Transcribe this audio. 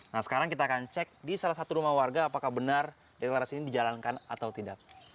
nah sekarang kita akan cek di salah satu rumah warga apakah benar deklarasi ini dijalankan atau tidak